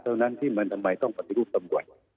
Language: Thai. เท่านั้นที่มันทำไมต้องปฏิรูปตำรวจ